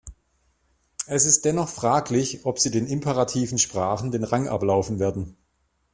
Es ist dennoch fraglich, ob sie den imperativen Sprachen den Rang ablaufen werden.